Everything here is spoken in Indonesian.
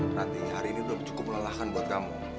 berarti hari ini udah cukup melelahkan buat kamu